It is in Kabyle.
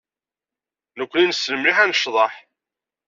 Nekkni nessen mliḥ ad necḍeḥ.